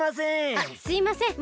すいません。